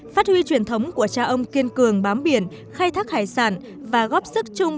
phát huy truyền thống của cha ông kiên cường bám biển khai thác hải sản và góp sức chung